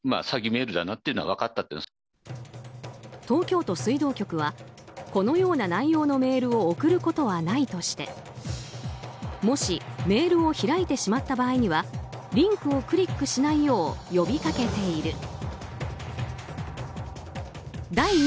東京都水道局はこのような内容のメールを送ることはないとしてもし、メールを開いてしまった場合にはリンクをクリックしないよう呼びかけている。